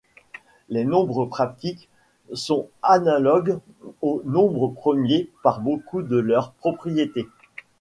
Les nombres pratiques sont analogues aux nombres premiers par beaucoup de leurs propriétés.